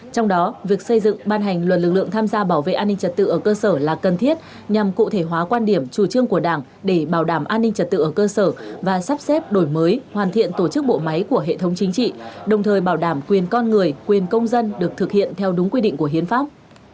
trong đó việc xây dựng ban hành luật lực lượng tham gia bảo vệ an ninh trật tự ở cơ sở là cần thiết nhằm cụ thể hóa quan điểm chủ trương của đảng để bảo đảm an ninh trật tự ở cơ sở và sắp xếp đổi mới hoàn thiện tổ chức bộ máy của hệ thống chính trị đồng thời bảo đảm quyền con người quyền công dân được thực hiện theo đúng quy định của hiến pháp